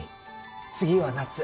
次は夏。